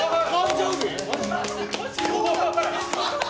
はい